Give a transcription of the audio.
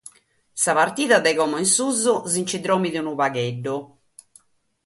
Sa partida dae como in susu si nch'indòrmigat agigu.